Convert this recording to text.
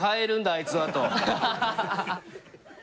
あいつは」と。